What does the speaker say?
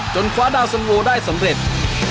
จนขวาดาลร่วงได้สำเร็จ